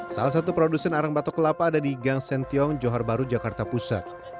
salah satu produsen arang batok kelapa ada di gang sentiong johar baru jakarta pusat